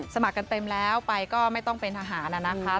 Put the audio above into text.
สมัครกันเต็มแล้วไปก็ไม่ต้องเป็นทหารนะคะ